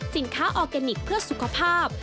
สินค้าออร์แกนิคเพื่อสุขภาพ